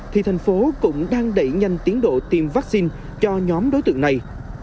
thì thành phố cũng đang đẩy nhanh tiến độ tiêm vaccine cho nhóm đối tượng này